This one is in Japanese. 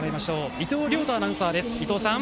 伊藤亮太アナウンサーです。